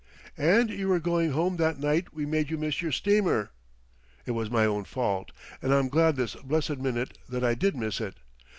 "And you were going home that night we made you miss your steamer!" "It was my own fault, and I'm glad this blessed minute that I did miss it.